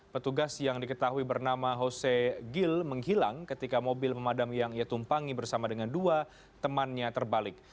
petugas yang diketahui bernama hose gil menghilang ketika mobil pemadam yang ia tumpangi bersama dengan dua temannya terbalik